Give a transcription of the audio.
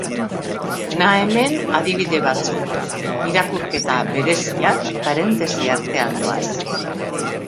Hona hemen adibide batzuk: irakurketa bereziak parentesi artean doaz.